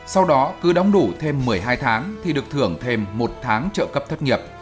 sau đó cứ đóng đủ thêm một mươi hai tháng thì được thưởng thêm một tháng trợ cấp thất nghiệp